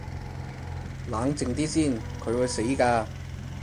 冷靜啲先，佢會死㗎